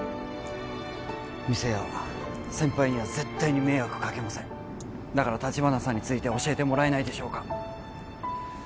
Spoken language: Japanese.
店や先輩には絶対に迷惑かけませんだから立花さんについて教えてもらえないでしょうか？